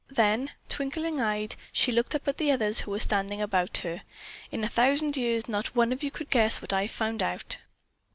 Then, twinkling eyed, she looked up at the others who were standing about her. "In a thousand years, not one of you could guess what I've found out."